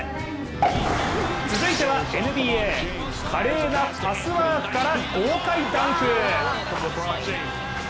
続いてはＮＢＡ華麗なパスワークから豪快ダンク！